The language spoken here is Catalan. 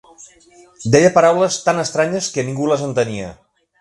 Deia paraules tant estranyes que ningú les entenia